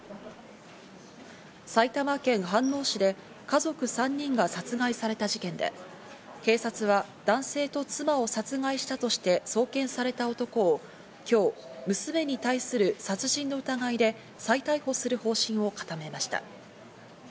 埼玉県飯能市で家族３人が殺害された事件で、警察は男性と妻を殺害したとして送検された男を今日、娘に対する殺人の疑いで再逮捕する方針を固めました。